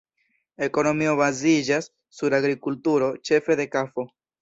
Ekonomio baziĝas sur agrikulturo, ĉefe de kafo.